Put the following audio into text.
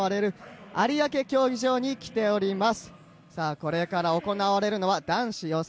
これから行われるのは男子予選。